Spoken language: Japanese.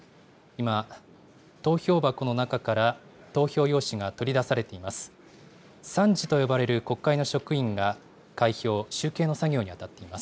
今、投票箱の中から投票用紙が取り出されています。